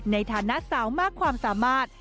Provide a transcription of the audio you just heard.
ในฐานะสาวมากความสามารถ